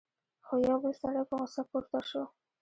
خو یو بل سړی په غصه پورته شو: